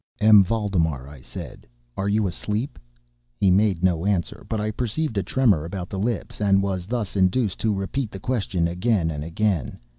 "M. Valdemar," I said, "are you asleep?" He made no answer, but I perceived a tremor about the lips, and was thus induced to repeat the question, again and again.